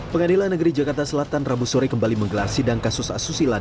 pengadilan negeri jakarta selatan rabu sore kembali menggelar sidang kasus asusila